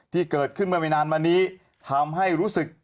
ที่เกิดขึ้นเมื่อไม่นานมานี้ทำให้รู้สึก